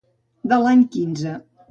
De l'any quinze.